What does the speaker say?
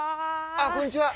あっこんにちは。